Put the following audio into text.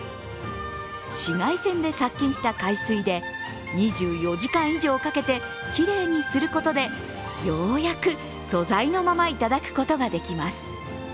紫外線で殺菌した海水で２４時間以上かけてきれいにすることでようやく素材のまま頂くことができます。